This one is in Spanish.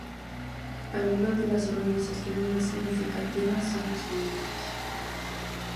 Algunas de las organizaciones más significativas son las siguientes.